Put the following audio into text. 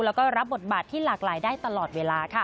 แล้วก็รับบทบาทที่หลากหลายได้ตลอดเวลาค่ะ